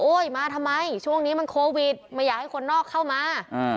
มาทำไมช่วงนี้มันโควิดไม่อยากให้คนนอกเข้ามา